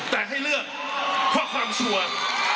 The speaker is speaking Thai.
แต่ให้เลือกเพราะความส่วน